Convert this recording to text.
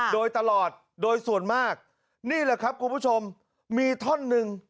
โดยตลอดโดยส่วนมากนี่แหละครับคุณผู้ชมมีท่อนหนึ่ง